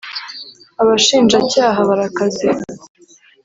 Abashinjacyaha barakaze